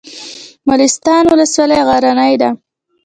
مالستان ولسوالۍ غرنۍ ده؟